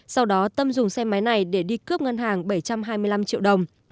sau đó tâm dùng xe máy này để đi cướp ngân hàng bảy trăm hai mươi năm triệu đồng